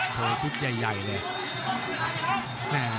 โชว์ชุดใหญ่เลย